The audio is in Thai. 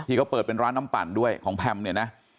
เขาเปิดเป็นร้านน้ำปั่นด้วยของแพมเนี่ยนะ